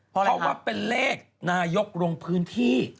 เพราะว่าเป็นเลขนายกลงพื้นที่